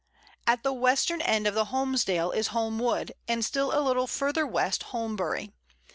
At the western end of the Holmsdale is Holmwood, and still a little further west Holmbury.